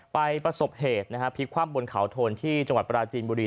ไปประสบเหตุพิความบนเขาโทนที่จังหวัดปราจีนบุรี